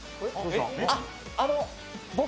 あっ！